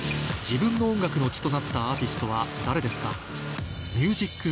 自分の音楽の血となったアーティストは誰ですか？